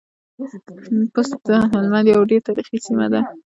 بُست د هلمند يوه ډېره تاريخي سیمه ده.